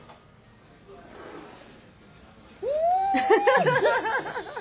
うん！